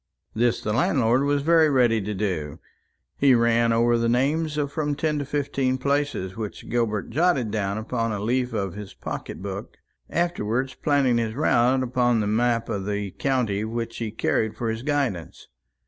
This the landlord was very ready to do. He ran over the names of from ten to fifteen places, which Gilbert jotted down upon a leaf of his pocket book, afterwards planning his route upon the map of the county which he carried for his guidance.